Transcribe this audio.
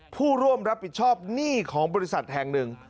ผู้ร่วมรับผิดชอบหนี้ของบริษัทแห่งหนึ่ง